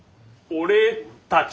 俺たち。